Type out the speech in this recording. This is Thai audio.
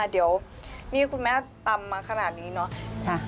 เดี๋ยวนี่คุณแม่ตำมาขนาดนี้เนอะ